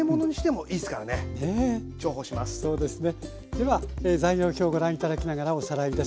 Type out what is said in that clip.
では材料表ご覧頂きながらおさらいです。